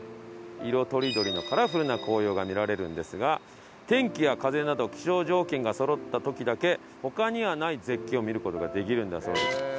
色とりどりのカラフルな紅葉が見られるんですが天気や風など気象条件がそろった時だけ他にはない絶景を見る事ができるんだそうで。